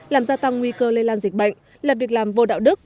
làm gia tăng nguy cơ lây lan dịch bệnh là việc làm vô đạo đức